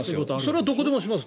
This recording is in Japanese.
それはどこでもします。